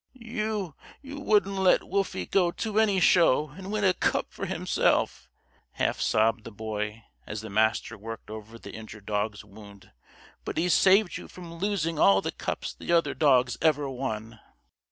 "You you wouldn't let Wolfie go to any show and win a cup for himself," half sobbed the Boy, as the Master worked over the injured dog's wound, "but he's saved you from losing all the cups the other dogs ever won!"